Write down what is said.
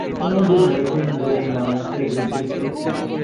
অন্যদিন waiting room মানুষে গিজগিজ করত।